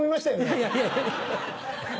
いやいや。